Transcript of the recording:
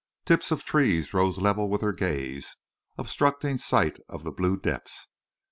Tips of trees rose level with her gaze, obstructing sight of the blue depths.